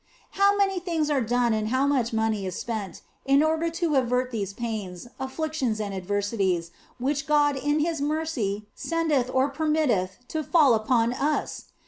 How many things are done and how much money is OF FOLIGNO 87 spent in order to avert those pains, afflictions, and ad versities which God in His mercy sendeth or permitteth to fall upon us